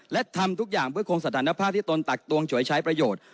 และทำทุกอย่างเพื่อคงสถานภาพที่ตนตักตวงฉวยใช้ประโยชน์